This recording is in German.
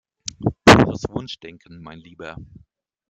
Pures Wunschdenken, mein Lieber!